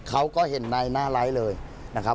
เขาก็เห็นในหน้าไลค์เลยนะครับ